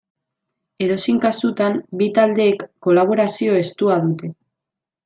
Edozein kasutan bi taldeek kolaborazio estua dute.